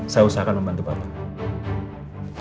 saya usahakan membantu bapak